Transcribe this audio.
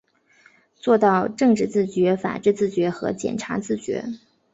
做到政治自觉、法治自觉和检察自觉